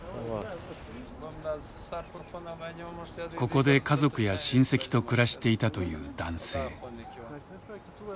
ここで家族や親戚と暮らしていたという男性。